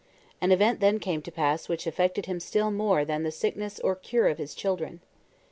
An event then came to pass which affected him still more than the sickness or cure of his children.